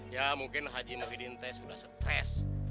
ya mungkin haji muhyiddin teh sudah stres